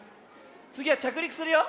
つぎはちゃくりくするよ。